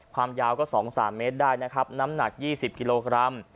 ความยาวก็สองสามเมตรได้นะครับน้ำหนักยี่สิบกิโลกรัม